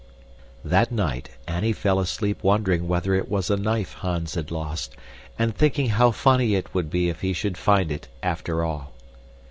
That night Annie fell asleep wondering whether it was a knife Hans had lost and thinking how funny it would be if he should find it, after all.